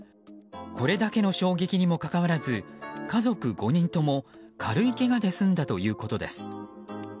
これだけの衝撃にもかかわらず家族５人とも軽いけがで済んだということです。